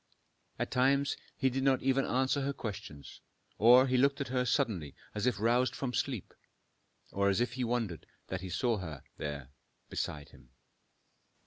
At times he did not even answer her questions, or he looked at her suddenly as if roused from sleep, or as if he wondered that he saw her there beside him.